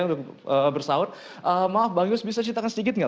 udah bersahur maaf bang yos bisa ceritakan sedikit nggak